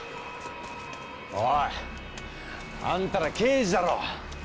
おい！あんたら刑事だろ！